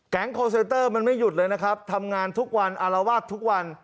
คอลเซนเตอร์มันไม่หยุดเลยนะครับทำงานทุกวันอารวาสทุกวัน